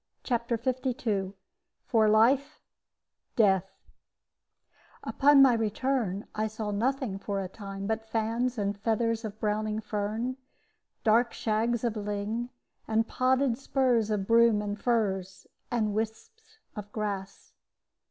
CHAPTER LII FOR LIFE, DEATH Upon my return, I saw nothing for a time but fans and feathers of browning fern, dark shags of ling, and podded spurs of broom and furze, and wisps of grass.